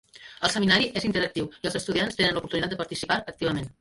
El seminari és interactiu i els estudiants tenen l'oportunitat de participar activament.